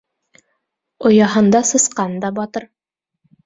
Ояһында сысҡан да батыр.